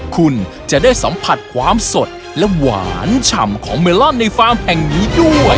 คุณจะได้สัมผัสความสดและหวานฉ่ำของเมลอนในฟาร์มแห่งนี้ด้วย